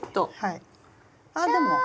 あでも。